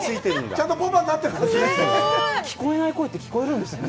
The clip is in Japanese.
ちゃんとパパになってるんですね！